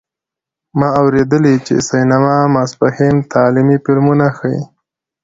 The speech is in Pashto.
ما اوریدلي چې سینما ماسپښین تعلیمي فلمونه ښیې